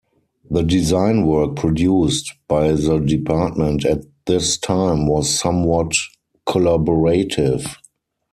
The design work produced by the department at this time was somewhat collaborative.